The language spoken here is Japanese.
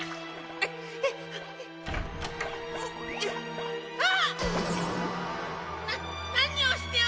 えっ？